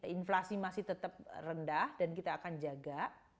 inflasi masih tetap rendah dan kita akan jaga